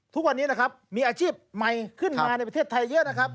ทุกวันนี้นะครับมีอาชีพใหม่ขึ้นมาในประเทศไทยเยอะนะครับ